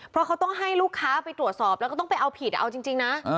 เพราะเขาต้องให้ลูกค้าไปตรวจสอบแล้วก็ต้องไปเอาผิดเอาจริงนะ